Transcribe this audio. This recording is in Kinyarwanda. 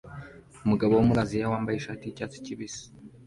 Umugabo wo muri Aziya wambaye ishati yicyatsi kibisi